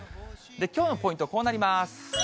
きょうのポイント、こうなります。